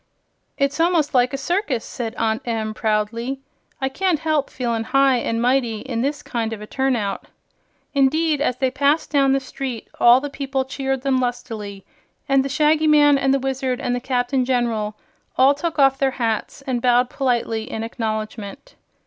"It's almost like a circus," said Aunt Em, proudly. "I can't help feelin' high an' mighty in this kind of a turn out." Indeed, as they passed down the street, all the people cheered them lustily, and the Shaggy Man and the Wizard and the Captain General all took off their hats and bowed politely in acknowledgment.